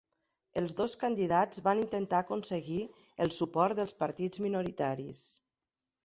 Els dos candidats van intentar aconseguir el suport dels partits minoritaris.